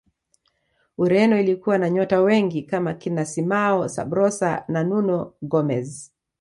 ureno ilikuwa na nyota wengi kama kina simao sabrosa na nuno gomez